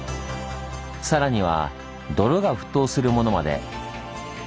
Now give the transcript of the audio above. さらには泥が沸騰するものまで。